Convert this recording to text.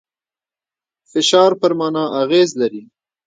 فشار پر مانا اغېز لري.